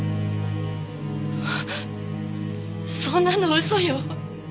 そんなの嘘よ。